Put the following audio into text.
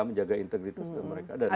menjaga integritas mereka